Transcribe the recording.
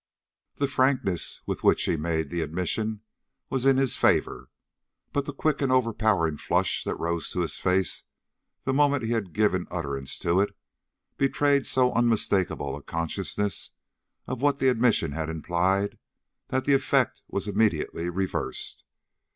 The frankness with which he made the admission was in his favor, but the quick and overpowering flush that rose to his face the moment he had given utterance to it, betrayed so unmistakable a consciousness of what the admission implied that the effect was immediately reversed.